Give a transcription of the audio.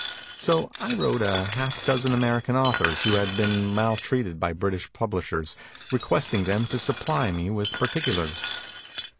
So I wrote to half a dozen American authors who had been mal treated by British publishers, requesting them to supply me with particulars.